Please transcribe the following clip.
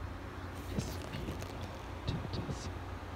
Es fehlen noch Untertassen.